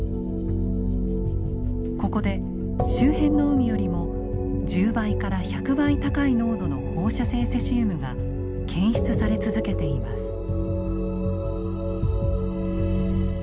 ここで周辺の海よりも１０倍から１００倍高い濃度の放射性セシウムが検出され続けています。